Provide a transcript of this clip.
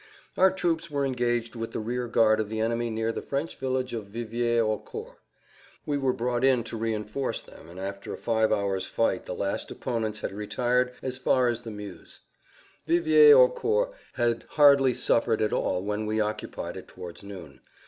Our troops were engaged with the rear guard of the enemy near the French village of Vivier au Court. We were brought in to reinforce them, and after a five hours' fight the last opponents had retired as far as the Meuse. Vivier au Court had hardly suffered at all when we occupied it towards noon.